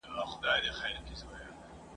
سجدې مي وړای ستا تر چارچوبه خو چي نه تېرېدای ..